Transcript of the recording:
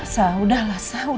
sa udah lah sa